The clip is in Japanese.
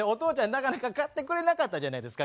なかなか買ってくれなかったじゃないですか。